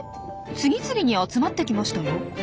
次々に集まってきましたよ。